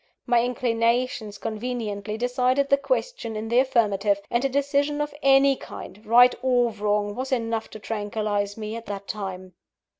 My inclinations conveniently decided the question in the affirmative; and a decision of any kind, right or wrong, was enough to tranquillise me at that time.